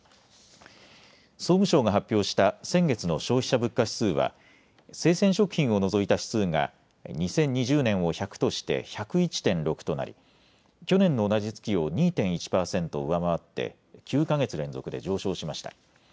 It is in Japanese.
総務省が発表した先月の消費者物価指数は生鮮食品を除いた指数が２０２０年を１００として１０１．６となり、去年の同じ月を２．１％上回って９か月連続で上昇しました。